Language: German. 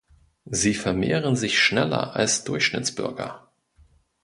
Sie vermehren sich schneller als Durchschnittsbürger.